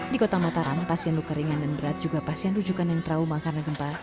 di kota mataram pasien luka ringan dan berat juga pasien rujukan yang trauma karena gempa